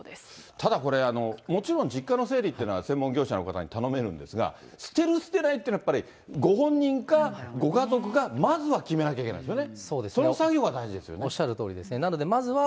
ただこれ、もちろん実家の整理っていうのは、専門業者の方に頼めるんですが、捨てる、捨てないっていうのは、やっぱり、ご本人か、ご家族か、まずは決めなきゃいけないですよね。